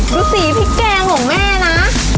ดูสีพริกแกงของแม่นะ